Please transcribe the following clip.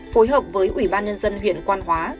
phối hợp với ủy ban nhân dân huyện quan hóa